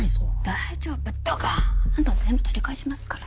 大丈夫ドカン！と全部取り返しますから。